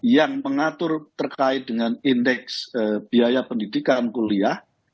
yang mengatur terkait dengan indeks biaya pendidikan kuliah